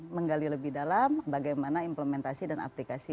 menggali lebih dalam bagaimana implementasi dan aplikasi